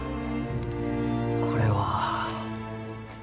これは。